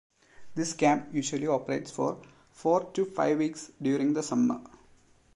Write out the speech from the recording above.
This camp usually operates for four to five weeks during the summer.